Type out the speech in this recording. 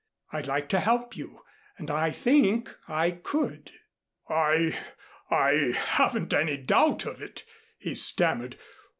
I'd like to help you and I think I could." "I I haven't any doubt of it," he stammered.